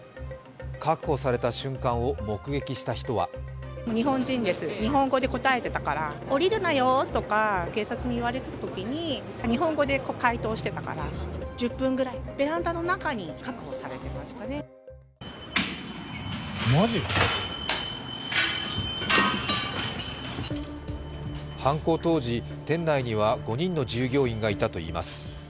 確保された瞬間を目撃した人は犯行当時、店内には５人の従業員がいたといいます。